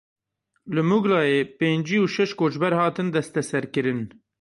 Li Muglayê pêncî û şeş koçber hatin desteserkirin.